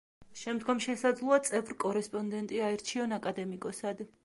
შემდგომ შესაძლოა წევრ-კორესპონდენტი აირჩიონ აკადემიკოსად.